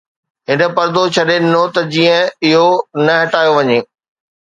هن پردو ڇڏي ڏنو ته جيئن اهو نه هٽايو وڃي